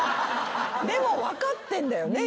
でも分かってんだよね